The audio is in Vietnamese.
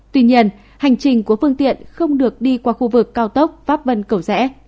tuy nhiên hành trình của phương tiện không được đi qua khu vực cao tốc pháp vân cầu rẽ